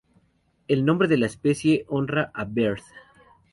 El nombre de la especie honra a Beard.